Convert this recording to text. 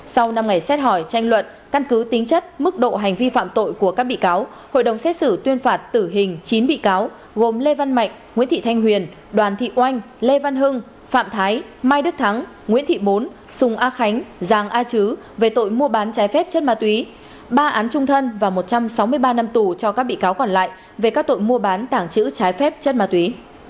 sau năm ngày xét hỏi tranh luận căn cứ tính chất mức độ hành vi phạm tội của các bị cáo hội đồng xét xử tuyên phạt tử hình chín bị cáo gồm lê văn mạnh nguyễn thị thanh huyền đoàn thị oanh lê văn hưng phạm thái mai đức thắng nguyễn thị bốn sùng a khánh giàng a trứ về tội mua bán trái phép chất ma túy ba án trung thân và một trăm sáu mươi ba năm tù cho các bị cáo còn lại về các tội mua bán tảng chữ trái phép chất ma túy